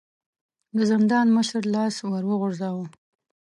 د زندان مشر لاس ور وغځاوه.